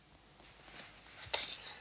私の？